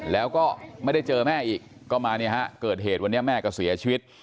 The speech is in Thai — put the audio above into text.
แล้วก็ไม่ได้เจอแม่อีกก็มาเนี่ยฮะเกิดเหตุวันนี้แม่ก็เสียชีวิต